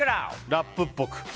ラップっぽく。